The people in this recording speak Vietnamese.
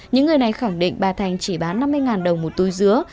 những người này khẳng định bà thành chỉ bán năm mươi đồng một túi dứa